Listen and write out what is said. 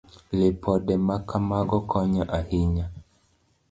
Lipode ma kamago konyo ahinya.